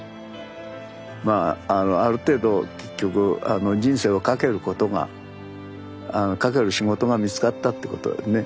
まあある程度結局人生を懸けることが懸ける仕事が見つかったってことでね